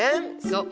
そう。